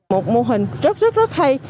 một mô hình rất rất hay